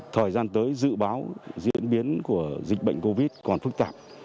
thời gian tới dự báo diễn biến của dịch bệnh covid còn phức tạp